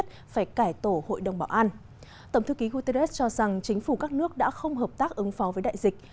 tổng thư ký guterres cho rằng chính phủ các nước đã không hợp tác ứng phó với đại dịch